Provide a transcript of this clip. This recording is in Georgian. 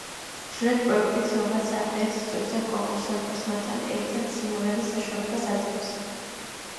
ხშირად პროექტი ცნობად სახეებს იწვევს და კონკურსანტებს მათთან ერთად სიმღერის საშუალებას აძლევს.